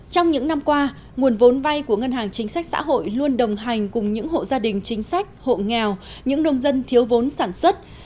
trong những năm qua nguồn vốn vay của ngân hàng chính sách xã hội luôn đồng hành cùng những hộ gia đình chính sách hộ nghèo những nông dân thiếu vốn sản xuất